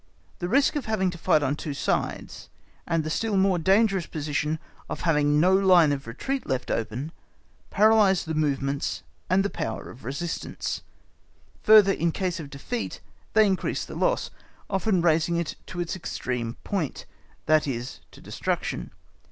The risk of having to fight on two sides, and the still more dangerous position of having no line of retreat left open, paralyse the movements and the power of resistance; further, in case of defeat, they increase the loss, often raising it to its extreme point, that is, to destruction.